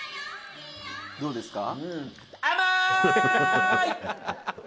「どうですか？」